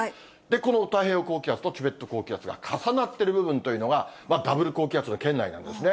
この太平洋高気圧とチベット高気圧が重なってる部分というのが、ダブル高気圧の圏内なんですね。